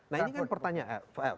nah ini kan pertanyaan